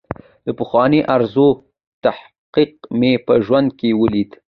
د پخوانۍ ارزو تحقق مې په ژوند کې ولید.